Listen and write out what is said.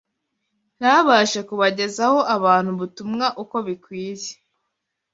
ntabashe kubagezaho abantu ubutumwa uko bikwiye